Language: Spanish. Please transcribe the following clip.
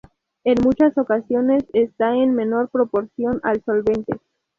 En muchas ocasiones está en menor proporción al solvente.